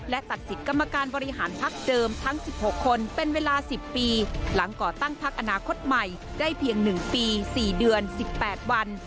และตัดสิทธิ์กรรมการบริหารพักเดิมทั้ง๑๖คนเป็นเวลา๑๐ปีหลังก่อตั้งพักอนาคตใหม่ได้เพียง๑ปี๔เดือน๑๘วัน